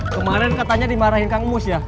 kemarin katanya dimarahin kang emus ya